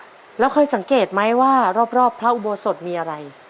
พี่พ่อค่อยสังเกตไหมว่ารอบพระอุโมสดมีอะไร